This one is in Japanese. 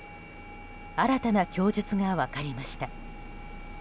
新たな供述が分かりました。